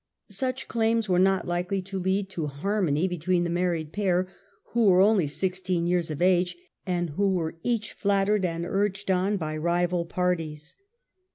Such claims were not likely to lead to harmony between the married pair, who were only sixteen years of age, and who were each flattered and urged on by rival parties.